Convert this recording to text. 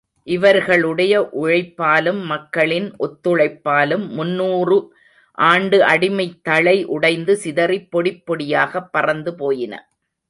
இவர்களுடைய உழைப்பாலும் மக்களின் ஒத்துழைப்பாலும் முன்னூறு ஆண்டு அடிமைத் தளை உடைந்து, சிதறிப் பொடிப் பொடியாகப் பறந்து போயின.